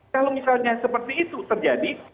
kalau misalnya seperti itu terjadi